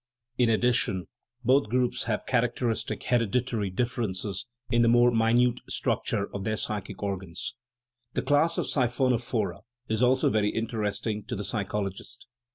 In addition, both groups have characteristic hereditary differences in the more minute structure of their psychic organs. The class of siphon ophora is also very interesting to the psychologist.